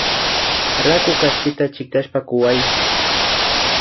Raku kaspita chiktashpa kuway